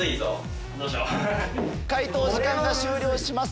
解答時間が終了します。